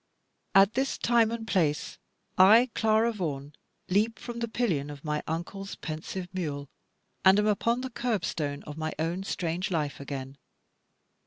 At this time and place, I, Clara Vaughan, leap from the pillion of my Uncle's pensive mule, and am upon the curb stone of my own strange life again.